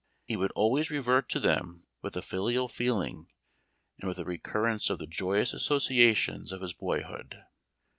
He would always revert to them with a filial feeling, and with a recurrence of the joyous associations of his boyhood.